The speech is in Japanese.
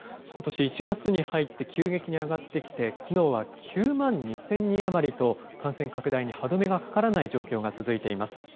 ことし１月に入って急激に上がってきて、きのうは９万２０００人余りと、感染拡大に歯止めがかからない状況が続いています。